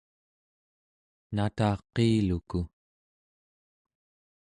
nataqiiluku